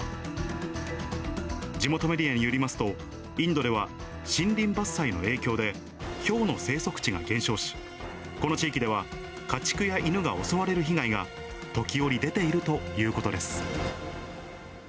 地元メディアによりますと、インドでは森林伐採の影響で、ヒョウの生息地が減少し、この地域では家畜や犬が襲われる被害が、時折、出ているということです。